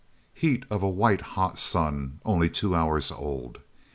Heat of a white hot sun only two hours old.